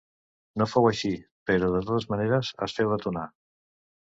No fou així, però de totes maneres es féu detonar.